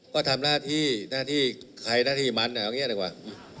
ก็ทำหน้าที่ใครหน้าที่มันอะไรอย่างนี้ดีกว่า